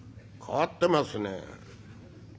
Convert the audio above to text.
変わってますね。